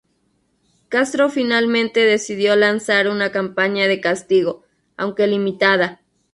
Castro finalmente decidió lanzar una campaña de castigo, aunque limitada.